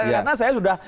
karena saya sudah